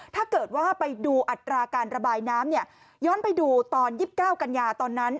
ถ้าเกิดว่าไปดูอัตราการระบายน้ำย้อนไปดูตอน๒๙กันยาตอนนั้น